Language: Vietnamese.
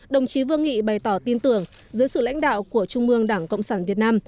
đồng chí vương nghị bày tỏ tin tưởng dưới sự lãnh đạo của trung mương đảng cộng sản việt nam